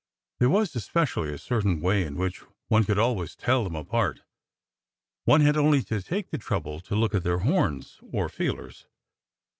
There was, especially, a certain way in which one could always tell them apart. One had only to take the trouble to look at their horns or feelers.